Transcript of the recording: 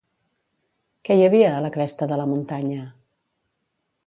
Què hi havia a la cresta de la muntanya?